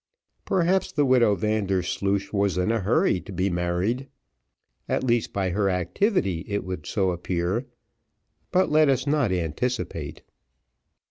Perhaps, the widow Vandersloosh was in a hurry to be married, at least, by her activity, it would so appear but let us not anticipate.